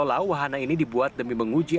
pulau wahana ini dibuat demi menguji